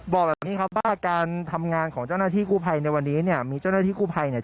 บอกแบบนี้ครับว่าการทำงานของเจ้าหน้าที่กู้ภัยในวันนี้เนี่ยมีเจ้าหน้าที่กู้ภัยเนี่ย